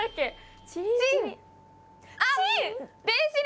あっ！